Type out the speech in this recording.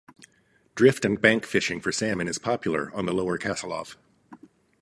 Drift and bank fishing for salmon is popular on the lower Kasilof.